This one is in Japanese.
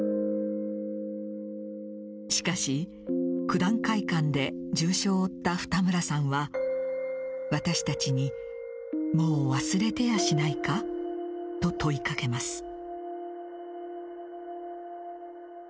しかし、九段会館の天井崩落事故で重傷を負った二村さんは私たちにもう忘れてやしないか？と問いかけます。